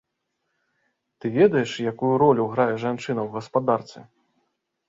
Ты ведаеш, якую ролю грае жанчына ў гаспадарцы?